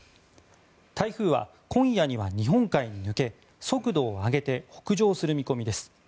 台風は今夜には日本海に抜け速度を上げて北上する見込みです。